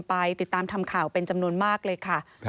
ไปติดตามทำข่าวเป็นจำนวนมากเลยค่ะ